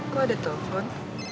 kok ada telepon